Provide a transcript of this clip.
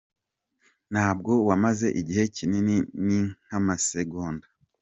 Ntabwo wamaze igihe kinini ni nk’amasegonda.